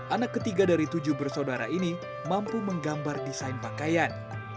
anak ketiga dari tujuh bersaudara ini mampu menggambar desain pakaian